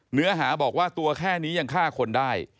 เนื้อหาบอกว่าตัวแค่นี้ยังฆ่าคนได้